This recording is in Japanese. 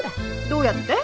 どうやって？